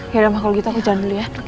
yaudah kalau gitu aku jalan dulu ya